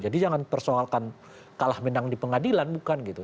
jadi jangan persoalkan kalah menang di pengadilan bukan gitu